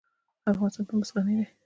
افغانستان په مس غني دی.